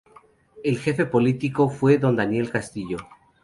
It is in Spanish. El jefe político fue Don Daniel Castillo.